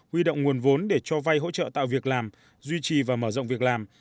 huy động nguồn vốn để cho vay hỗ trợ tạo việc làm duy trì và mở rộng việc làm